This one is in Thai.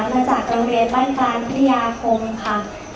เราจากโรงเรียนบ้านการพระยาคมค่ะ